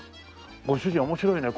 ご主人面白いね。